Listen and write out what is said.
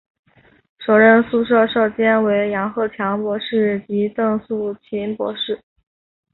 首任宿舍舍监为杨鹤强博士及邓素琴博士。